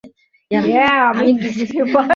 তিনি পড়াশোনা করেছেন ভারত ও ইংল্যান্ডে।